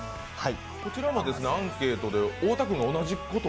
こちらもアンケートで太田君が同じことを。